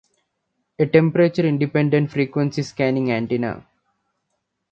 A temperature independent frequency scanning antenna.